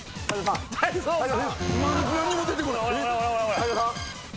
何にも出てこない。